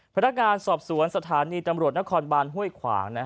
พนักงานสอบสวนสถานีตำรวจนครบานห้วยขวาง